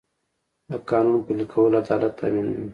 د قانون پلي کول عدالت تامینوي.